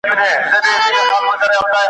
په منطق دي نه پوهېږي دا غویی دی `